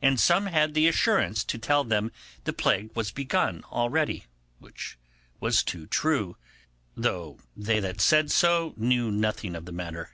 And some had the assurance to tell them the plague was begun already, which was too true, though they that said so knew nothing of the matter.